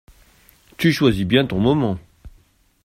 Tu choisis bien ton moment !